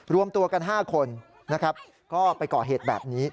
รวมตัวกัน๕คนนะครับก็ไปก่อเหตุแบบนี้